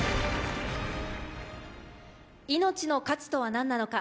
命の価値とは何なのか？